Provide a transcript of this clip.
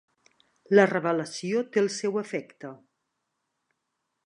La revelació té el seu efecte.